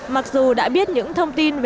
mặc dù đã biết những thông tin về